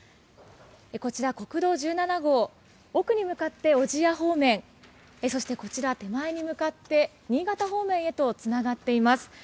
こちら、国道１７号奥に向かって小千谷方面そして、こちら手前に向かって新潟方面へとつながっています。